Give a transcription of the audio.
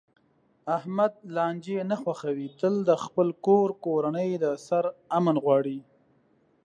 احمد لانجې نه خوښوي، تل د خپل کور کورنۍ د سر امن غواړي.